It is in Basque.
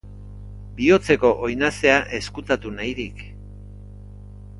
Bihotzeko oinazea ezkutatu nahirik.